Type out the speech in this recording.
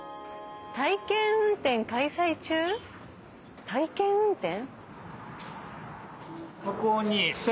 「体験運転開催中」体験運転？